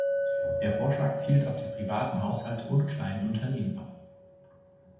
Der Vorschlag zielt auf die privaten Haushalte und kleinen Unternehmen ab.